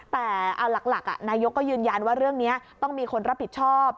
แต่เอาหลักนายกก็ยืนยันว่าเรื่องนี้ต้องมีคนรับผิดชอบ